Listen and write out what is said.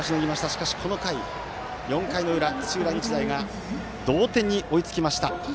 しかし、４回の裏土浦日大が同点に追いつきました。